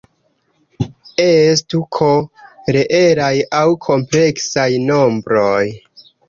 Estu "K" reelaj aŭ kompleksaj nombroj.